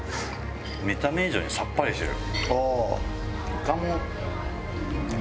見た目以上にさっぱりしてる。